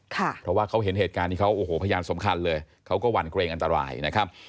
เพราะว่าเขาเห็นเหตุการณ์นี้เขาโอ้โหพยานสำคัญเลยเขาก็หวั่นเกรงอันตรายนะครับ